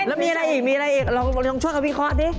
อ๋อเล่นคือใช่แล้วมีอะไรอีกลองช่วยกับพี่ควะดิ